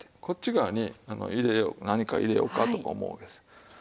こっち側に入れよう何か入れようかとか思うわけです。